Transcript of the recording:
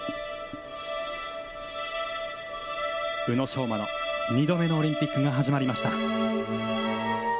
宇野昌磨の２度目のオリンピックが始まりました。